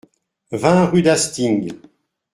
vingt rue d'Hastings